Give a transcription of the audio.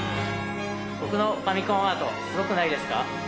僕のファミコンアートすごくないですか？